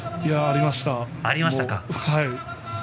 ありました。